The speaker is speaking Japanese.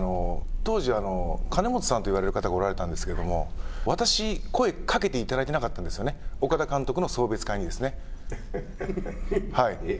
当時、金本さんと言われる方がおられたんですけども私、声かけていただいてなかったんですよね、岡田監督の送別会にえっ？